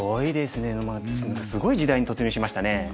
すごい時代に突入しましたね。